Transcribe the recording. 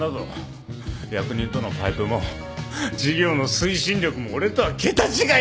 役人とのパイプも事業の推進力も俺とは桁違いだ。